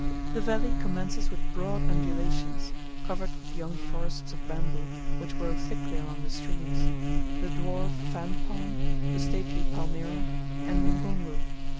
The valley commences with broad undulations, covered with young forests of bamboo, which grow thickly along the streams, the dwarf fan palm, the stately Palmyra, and the mgungu.